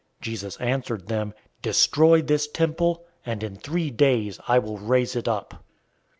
002:019 Jesus answered them, "Destroy this temple, and in three days I will raise it up."